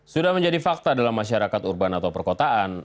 sudah menjadi fakta dalam masyarakat urban atau perkotaan